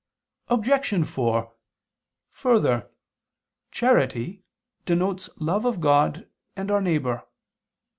Obj. 4: Further, charity denotes love of God and our neighbor.